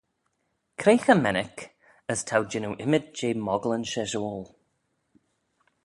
Cre cho mennick as t'ou jannoo ymmyd jeh moggalyn-sheshoil?